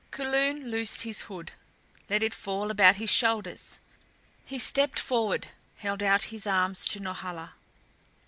Kulun loosed his hood, let it fall about his shoulders. He stepped forward, held out his arms to Norhala.